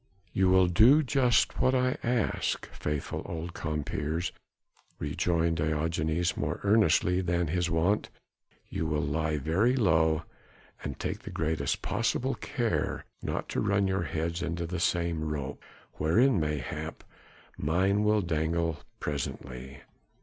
"You will do just what I ask, faithful old compeers," rejoined Diogenes more earnestly than was his wont. "You will lie very low and take the greatest possible care not to run your heads into the same rope wherein mayhap mine will dangle presently.